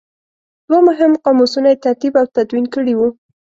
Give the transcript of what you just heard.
دوه مهم قاموسونه یې ترتیب او تدوین کړي وو.